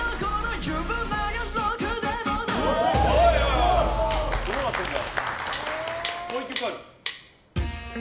すごい！どうなってんだ。